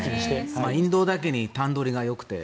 インドだけにタンドリがよくて。